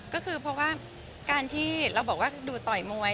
ก็คือเพราะว่าการที่เราบอกว่าดูต่อยมวย